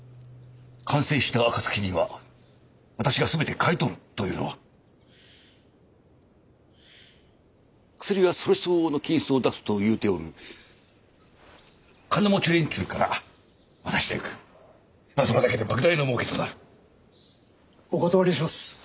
完成した暁には私がすべて買い取るというのは薬はそれ相応の金子を出すと言うておる金持ち連中から渡していくそれだけで莫大なもうけとなるお断りします